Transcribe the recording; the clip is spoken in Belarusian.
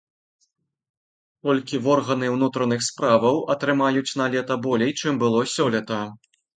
Толькі органы ўнутраных справаў атрымаюць налета болей, чым было сёлета.